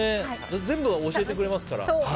全部教えてくれますから。